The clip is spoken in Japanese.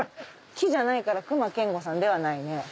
木じゃないから隈研吾さんではないね。